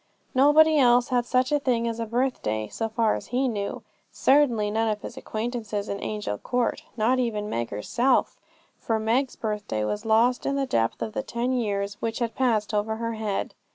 Nobody else had such a thing as a birthday, so far as he knew; certainly none of his acquaintances in Angel Court, not even Meg herself, for Meg's birthday was lost in the depth of the ten years which had passed over her head.